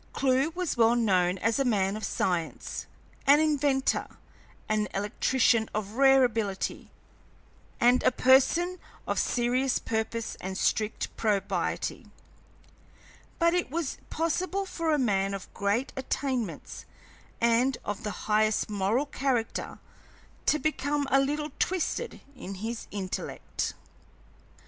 Clewe was well known as a man of science, an inventor, an electrician of rare ability, and a person of serious purpose and strict probity, but it was possible for a man of great attainments and of the highest moral character to become a little twisted in his intellect.